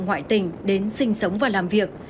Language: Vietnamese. ngoại tỉnh đến sinh sống và làm việc